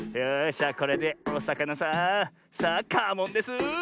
じゃこれでおさかなさんさあカモンです。